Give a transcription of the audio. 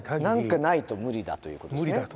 何かないと無理だということですね。